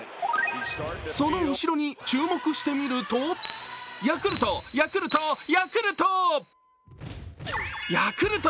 その後ろに注目してみるとヤクルト、ヤクルト、ヤクルト。